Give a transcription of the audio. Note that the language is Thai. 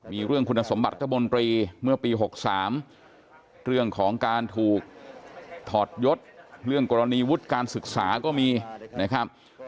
มีเรื่องคุณสมบัติรัฐมนตรีเมื่อปี๖๓เรื่องของการถูกถอดยศเรื่องกรณีวุฒิการศึกษาก็มีนะครับ